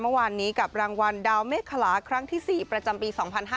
เมื่อวานนี้กับรางวัลดาวเมฆขลาครั้งที่๔ประจำปี๒๕๕๙